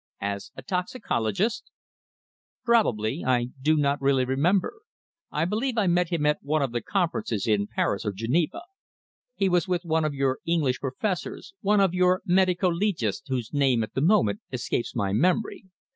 "As a toxicologist?" "Probably. I do not really remember. I believe I met him at one of the conferences in Paris or Geneva. He was with one of your English professors one of your medico legists whose name at the moment escapes my memory.